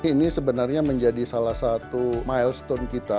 ini sebenarnya menjadi salah satu milestone kita